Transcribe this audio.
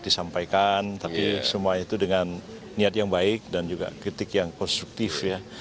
disampaikan tapi semuanya itu dengan niat yang baik dan juga kritik yang konstruktif ya